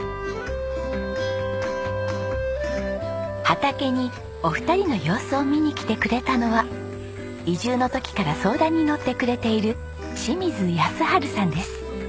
畑にお二人の様子を見に来てくれたのは移住の時から相談に乗ってくれている清水安治さんです。